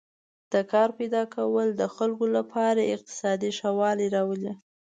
د کار پیدا کول د خلکو لپاره اقتصادي ښه والی راولي.